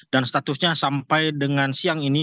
dan statusnya sampai dengan siang ini